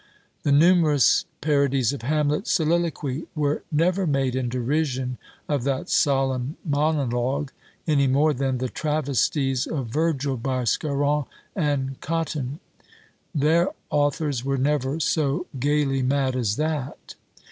The numerous parodies of Hamlet's soliloquy were never made in derision of that solemn monologue, any more than the travesties of Virgil by Scarron and Cotton; their authors were never so gaily mad as that.